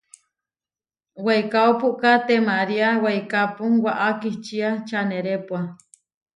Weikáo puʼká temariá weikápu, waʼá kihčía čanerepua.